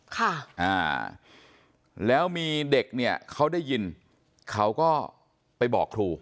ค่ะอ่าแล้วมีเด็กเนี่ยเขาได้ยินเขาก็ไปบอกครู